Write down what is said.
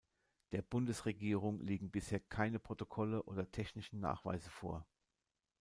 Der Bundesregierung liegen bisher keine Protokolle oder technischen Nachweise vor.